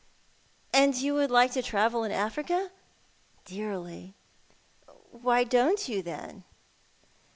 " And would you like to travel in Africa ?"" Dearly." " Why don't you, then